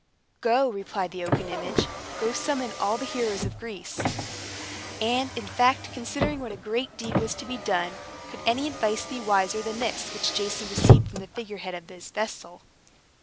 "Go," replied the oaken image, "go, summon all the heroes of Greece." And, in fact, considering what a great deed was to be done, could any advice be wiser than this which Jason received from the figure head of his vessel?